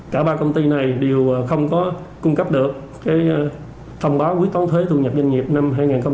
cả ba công ty này đều không có cung cấp được thông báo quyết toán thuế thu nhập doanh nghiệp năm hai nghìn hai mươi ba